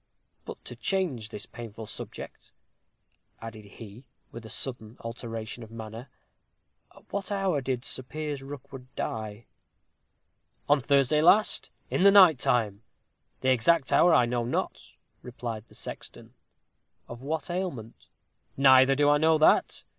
But to change this painful subject," added he, with a sudden alteration of manner, "at what hour did Sir Piers Rookwood die?" "On Thursday last, in the night time. The exact hour I know not," replied the sexton. "Of what ailment?" "Neither do I know that.